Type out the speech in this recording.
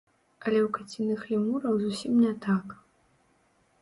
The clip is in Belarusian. Але ў каціных лемураў зусім не так.